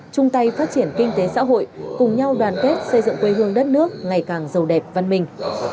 chung tay phát triển kinh tế xã hội cùng nhau đoàn kết xây dựng quê hương đất nước ngày càng giàu đẹp văn minh